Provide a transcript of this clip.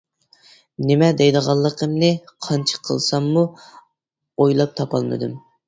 نېمە دەيدىغانلىقىمنى قانچە قىلساممۇ ئويلاپ تاپالمىدىم.